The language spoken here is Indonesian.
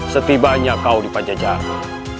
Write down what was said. setibanya kau di panjajara